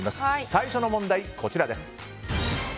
最初の問題、こちらです。